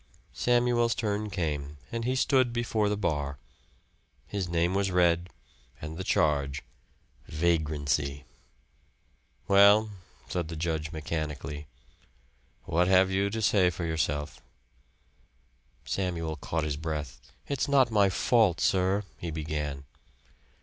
Samuel's turn came and he stood before the bar. His name was read, and the charge vagrancy. "Well?" said the judge mechanically. "What have you to say for yourself?" Samuel caught his breath. "It's not my fault, sir," he began.